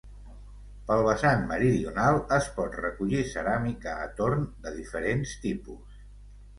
Pel vessant meridional es pot recollir ceràmica a torn de diferents tipus.